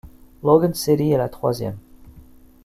Logan City est la troisième.